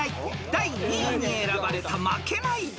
［第２位に選ばれた『負けないで』］